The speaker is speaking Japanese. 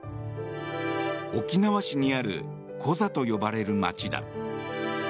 沖縄市にあるコザと呼ばれる街だ。